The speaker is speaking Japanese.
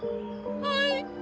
はい。